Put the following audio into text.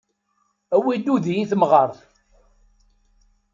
Awi udi i tamɣart.